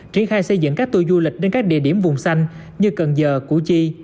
triển khai xây dựng các tu du lịch đến các địa điểm vùng xanh như cần giờ củ chi